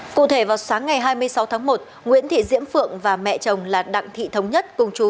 cụ thể vào sáng ngày hai mươi sáu tháng một nguyễn thị diễm phượng và mẹ chồng là đặng thị thống nhất cùng chú